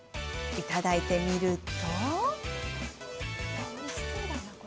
いただいてみると。